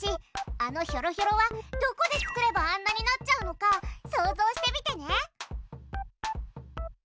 あのひょろひょろはどこで作ればあんなになっちゃうのか想像してみてね。